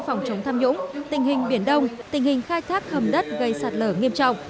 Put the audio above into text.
phòng chống tham nhũng tình hình biển đông tình hình khai thác hầm đất gây sạt lở nghiêm trọng